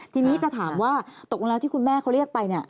ทีนี้จะถามว่าตกลงแล้วที่คุณแม่เขาเรียกไปเนี่ย